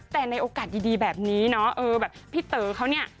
แต่ในโอกาสดีแบบนี้เนาะพี่เต๋อครัวเนี่ย